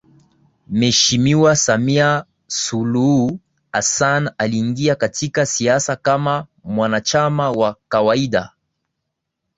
Mheshimiwa Samia Suluhu Hassan aliingia katika siasa kama mwanachama wa kawaida